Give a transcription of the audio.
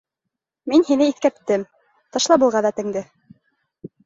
Мин һине иҫкәрттем: ташла был ғәҙәтеңде.